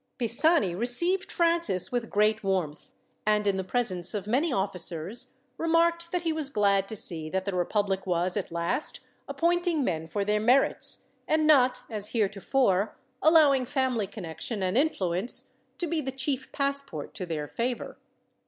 Pisani received Francis with great warmth, and, in the presence of many officers, remarked that he was glad to see that the republic was, at last, appointing men for their merits, and not, as heretofore, allowing family connection and influence to be the chief passport to their favour.